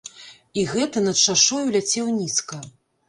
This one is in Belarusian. І гэты над шашою ляцеў нізка.